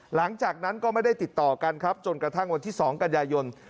หลังจากนั้นก็ไม่ได้ติดต่อกันครับจนกระทั่งวันที่๒กันยายน